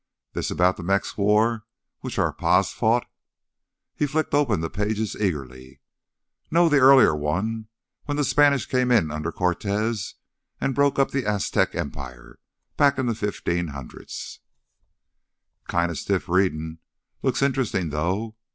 This about the Mex War which our pa's fought?" He flicked open the pages eagerly. "No, the earlier one—when the Spanish came in under Cortés and broke up the Aztec empire ... back in the 1500's." "Kinda stiff readin' ... looks interestin' though."